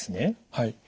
はい。